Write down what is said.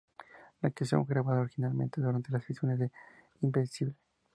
La canción fue grabada originalmente durante las sesiones de "Invincible".